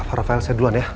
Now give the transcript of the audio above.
para filesnya duluan ya